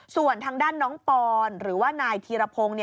ส่วนทางด้านน้องปอนหรือว่านายธีรพงศ์